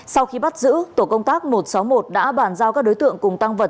sau khi bắt giữ tổ công tác một trăm sáu mươi một đã bàn giao các đối tượng cùng tăng vật